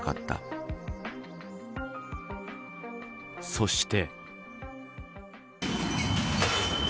そして。